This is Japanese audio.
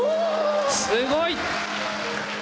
すごい！